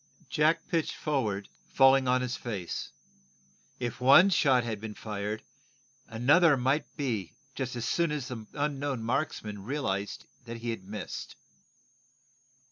Jack pitched forward, falling upon his face. If one shot had been fired, another might be as soon as the unknown marksman realized that he had missed.